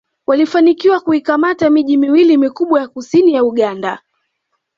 Walifanikiwa kuikamata miji miwili mikubwa ya kusini ya Uganda